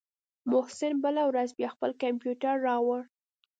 محسن بله ورځ بيا خپل کمپيوټر راوړ.